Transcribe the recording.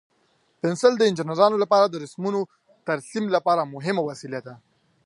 پنسل د انجینرانو لپاره د رسمونو د ترسیم لپاره مهم وسیله ده.